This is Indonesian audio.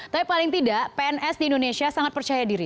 tapi paling tidak pns di indonesia sangat percaya diri